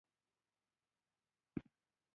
علم د ساینسي انکشاف سبب دی.